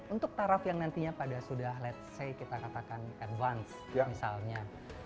untuk taraf yang nantinya pada sudah let's say kita katakan advance misalnya